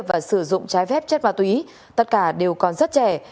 và sử dụng trái phép chất ma túy tất cả đều còn rất trẻ